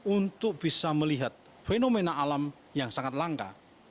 untuk bisa melihat fenomena alam yang sangat langka